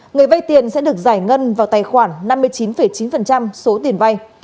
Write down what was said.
người vay tiền sẽ được giải ngân vào tài khoản năm mươi chín chín số tiền vay